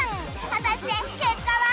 果たして結果は？